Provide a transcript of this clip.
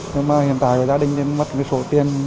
nhưng mà hiện tại gia đình nên mất cái số tiền